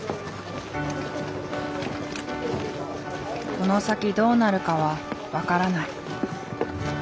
この先どうなるかは分からない。